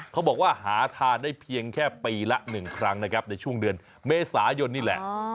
เขาบอกว่าหาทานได้เพียงแค่ปีละ๑ครั้งนะครับในช่วงเดือนเมษายนนี่แหละ